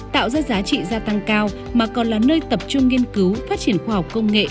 tạo ra giá trị gia tăng cao mà còn là nơi tập trung nghiên cứu phát triển khoa học công nghệ